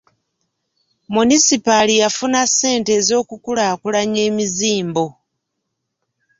Munisipaali yafuna ssente ez'okukulaakulanya emizimbo.